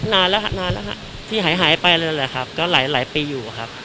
นานแล้วนานแล้วฮะที่หายหายไปเลยแหละครับก็หลายปีอยู่ครับ